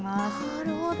なるほど。